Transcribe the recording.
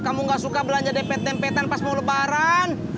kamu gak suka belanja dempet dempetan pas mau lebaran